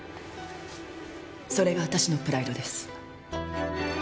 それがわたしのプライドです。